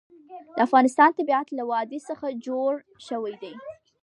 د افغانستان طبیعت له وادي څخه جوړ شوی دی.